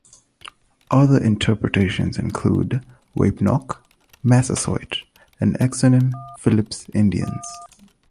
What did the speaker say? Other interpretations include "Wapenock," "Massasoit" and exonym "Philip's Indians.